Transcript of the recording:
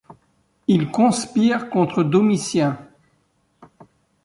Il conspire contre Domitien.